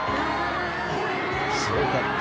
すごかった。